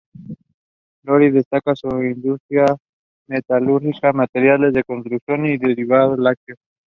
Lorri destaca en industria metalúrgica, materiales de construcción y derivados lácteos.